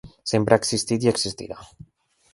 Sempre ha existit i existirà.